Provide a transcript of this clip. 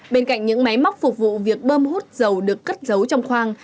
bên cạnh những máy móc phục vụ việc bơm hút dầu được cất giấu trong khoang